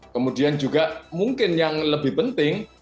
kemudian juga mungkin yang lebih penting